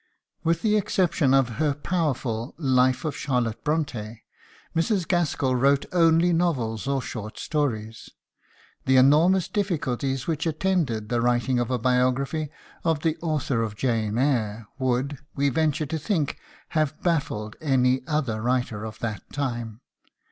With the exception of her powerful "Life of Charlotte Bront├½," Mrs. Gaskell wrote only novels or short stories. The enormous difficulties which attended the writing of a biography of the author of "Jane Eyre" would, we venture to think, have baffled any other writer of that time.